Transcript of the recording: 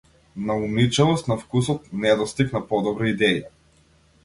Наумничавост на вкусот, недостиг на подобра идеја?